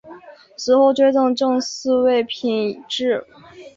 死后追赠正四位品秩。